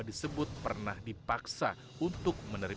disebut pernah dipaksa untuk menerima